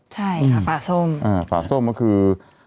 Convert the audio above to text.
ใช่ค่ะปลาส้มปลาส้มก็คือ